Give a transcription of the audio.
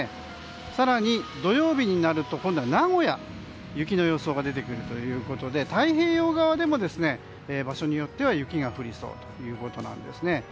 更に土曜日になると今度は名古屋に雪の予想が出てくるということで太平洋側でも場所によっては雪が降りそうということです。